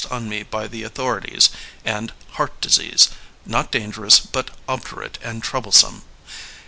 LEONID ANDREYEV 9 me by the authorities, and heart disease, not dan gerous but obdurate and troublesome.